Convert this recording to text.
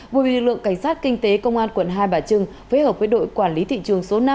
vừa bị lực lượng cảnh sát kinh tế công an quận hai bà trưng phối hợp với đội quản lý thị trường số năm